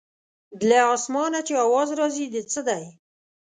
له اسمانه چې اواز راځي د څه دی.